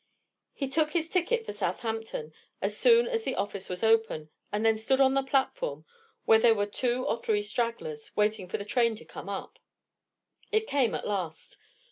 He took his ticket for Southampton as soon as the office was open, and then stood on the platform, where there were two or three stragglers, waiting for the train to come up. It came at last.